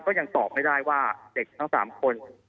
ก็ยังตอบไม่ได้ว่าเด็กทั้ง๓คน